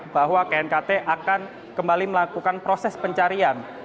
bahwa knkt akan kembali melakukan proses pencarian